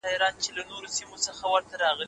ځینې وخت خلک فکر کوي، غږونه یې له بهر څخه راځي.